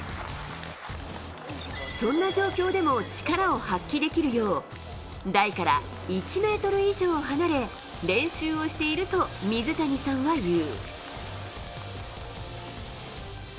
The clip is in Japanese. そんな状況でも力を発揮できるよう台から１ｍ以上離れ練習をしていると水谷さんは言う。